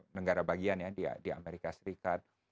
negara bagian ya di amerika serikat